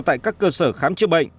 tại các cơ sở khám chữa bệnh